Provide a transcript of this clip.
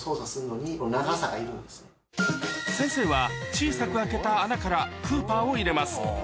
先生は小さく開けた穴からクーパーを入れます